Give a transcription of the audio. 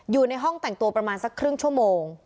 อยู่ในห้องแต่งตัวประมาณสักครึ่งชั่วโมง